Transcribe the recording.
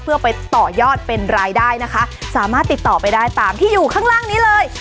เพื่อไปต่อยอดเป็นรายได้นะคะสามารถติดต่อไปได้ตามที่อยู่ข้างล่างนี้เลย